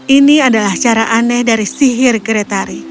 ini adalah cara aneh dari sihir geretari